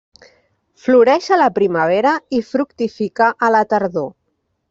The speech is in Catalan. Floreix a la primavera i fructifica a la tardor.